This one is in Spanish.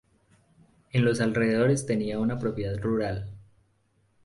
En los alrededores tenía una propiedad rural.